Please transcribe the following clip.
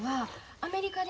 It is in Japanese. アメリカで？